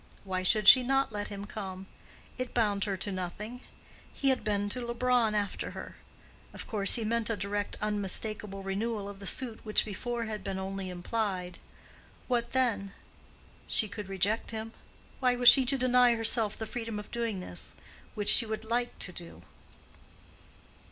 Why should she not let him come? It bound her to nothing. He had been to Leubronn after her: of course he meant a direct unmistakable renewal of the suit which before had been only implied. What then? She could reject him. Why was she to deny herself the freedom of doing this—which she would like to do?